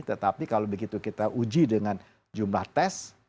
tetapi kalau begitu kita uji dengan jumlah tes